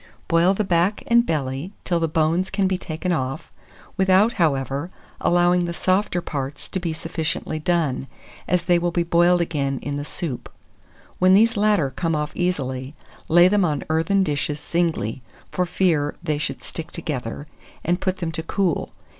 Boil the back and belly till the bones can be taken off, without, however, allowing the softer parts to be sufficiently done, as they will be boiled again in the soup. When these latter come off easily, lay them on earthen dishes singly, for fear they should stick together, and put them to cool.